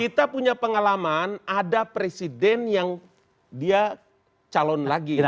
kita punya pengalaman ada presiden yang dia calon lagi